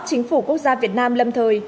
chính phủ quốc gia việt nam lâm thời